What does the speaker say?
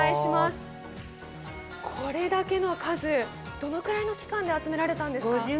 これだけの数、どのくらいの期間で集められたんですか？